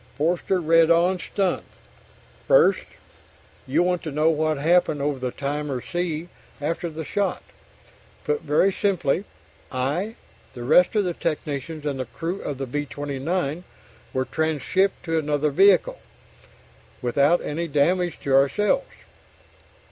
Forster read on, stunned: First, you'll want to know what happened over the Timor Sea after the shot. Put very simply, I, the rest of the technicians, and the crew of the B 29 were transhipped to another vehicle without any damage to ourselves.